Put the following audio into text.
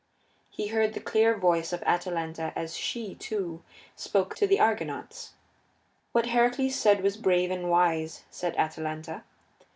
He heard the clear voice of Atalanta as she, too, spoke to the Argonauts. What Heracles said was brave and wise, said Atalanta.